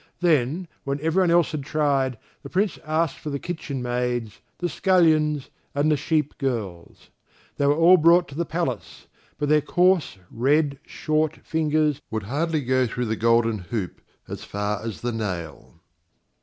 Then, when everyone else had tried, the Prince asked for the kitchen maids, the scullions, and the sheep girls. They were all brought to the palace, but their coarse red, short, fingers would hardly go through the golden hoop as far as the nail.